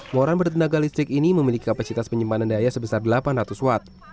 moran bertenaga listrik ini memiliki kapasitas penyimpanan daya sebesar delapan ratus watt